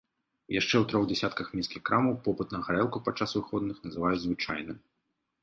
Яшчэ ў трох дзясятках мінскіх крамаў попыт на гарэлку падчас выходных называюць звычайным.